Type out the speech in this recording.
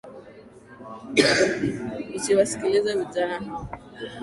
Usiwasikilize vijana hao